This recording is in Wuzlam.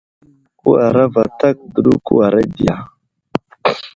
Kəwara vatak ,kəwara di ya ?